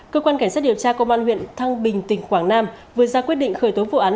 cơ quan cảnh sát điều tra công an huyện thăng bình tỉnh quảng nam vừa ra quyết định khởi tố vụ án